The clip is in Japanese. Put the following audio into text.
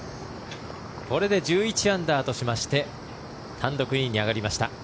これで１１アンダーとしまして単独２位に上がりました。